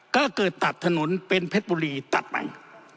ก็เกิดตัดถนนเป็นเพชรบุรีตัดใหม่